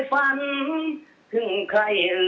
ฟังนะ